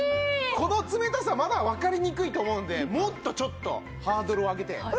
この冷たさまだわかりにくいと思うんでもっとちょっとハードルを上げて。